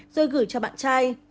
rồi gửi cho bạn trai